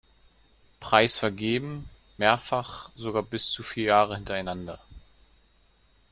Preis vergeben, mehrfach sogar bis zu vier Jahre hintereinander.